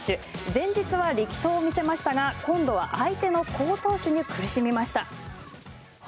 前日は力投を見せましたが今度は相手の好投手に苦しみました。